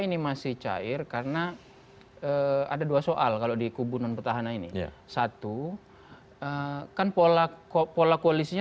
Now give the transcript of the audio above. ini masih cair karena ada dua soal kalau di kubu non petahana ini satu kan pola pola koalisinya